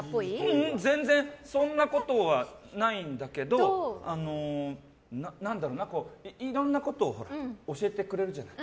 ううん、全然そんなことはないんだけどいろんなことを教えてくれるじゃない。